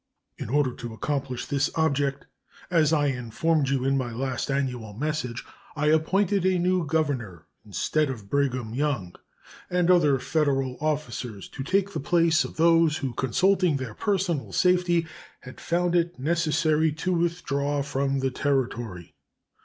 In order to accomplish this object, as I informed you in my last annual message, I appointed a new governor instead of Brigham Young, and other Federal officers to take the place of those who, consulting their personal safety, had found it necessary to withdraw from the Territory.